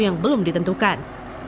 yang belum ditentukan